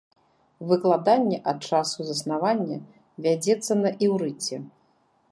Выкладанне ад часу заснавання вядзецца на іўрыце.